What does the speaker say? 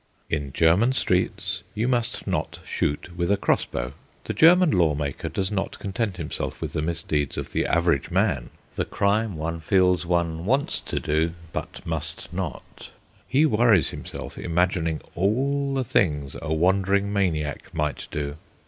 In German streets you must not shoot with a crossbow. The German law maker does not content himself with the misdeeds of the average man the crime one feels one wants to do, but must not: he worries himself imagining all the things a wandering maniac might do.